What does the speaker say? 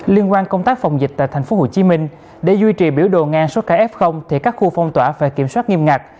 liên quan công tác phòng dịch tại tp hcm để duy trì biểu đồ ngang xuất khả f thì các khu phong tỏa phải kiểm soát nghiêm ngạc